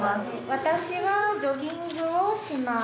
私はジョギングをします。